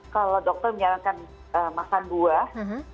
kalau dokter menyarankan makan buah